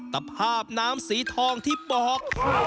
ตภาพน้ำสีทองที่บอก